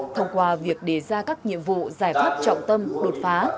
thông qua việc đề ra các nhiệm vụ giải pháp trọng tâm đột phá